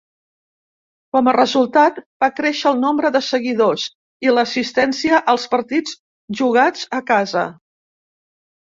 Com a resultat, va créixer el nombre de seguidors i l'assistència als partits jugats a casa.